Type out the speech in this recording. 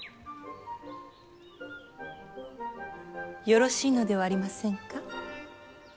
よろしいのではありませんか。